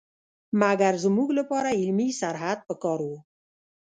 مګر زموږ لپاره علمي سرحد په کار وو.